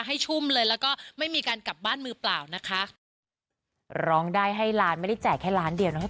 ให้ชุ่มเลยแล้วก็ไม่มีการกลับบ้านมือเปล่านะคะ